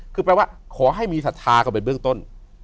คือแปลว่าขอให้มีศรัทธาก็เป็นเบื้องต้น